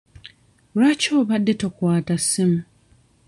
Lwaki obadde tokwata ssimu?